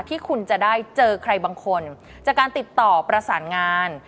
ที่คุณจะได้เจอใครบางคนจากการติดต่อประสานงาน